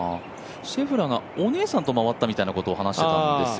シェフラーがお姉さんと回ったみたいなことを話していたんです。